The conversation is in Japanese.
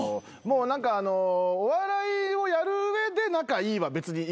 何かお笑いをやる上で仲いいは別にいいんですけど